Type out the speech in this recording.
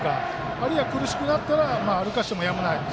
あるいは苦しくなったら歩かせてもやむなし。